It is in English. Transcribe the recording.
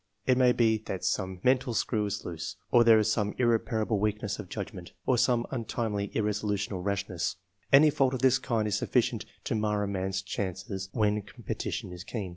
It may be that some mental screw is loose, or there is some irreparable weakness of judgment, or some untimely irresolution or rashness; any of this kind is sufficient to mar a man's III.] ORIGIN OF TASTE FOR SCIENCE. 233 chances when competition is keen.